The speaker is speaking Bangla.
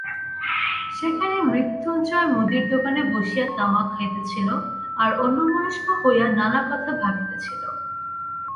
সেখানে মৃতুঞ্জয় মুদির দোকানে বসিয়া তামাক খাইতেছিল, আর অন্যমনস্ক হইয়া নানা কথা ভাবিতেছিল।